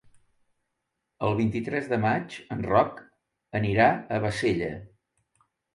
El vint-i-tres de maig en Roc anirà a Bassella.